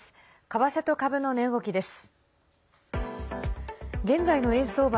為替と株の値動きです。